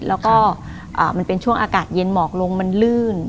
แล้วก็มันเป็นช่วงอากาศเย็นหมอกลงมันลื่น